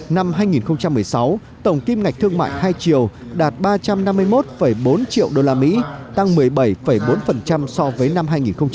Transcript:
năm hai nghìn một mươi sáu tổng kim ngạch thương mại hai triệu đạt ba trăm năm mươi một bốn triệu đô la mỹ tăng một mươi bảy bốn so với năm hai nghìn một mươi năm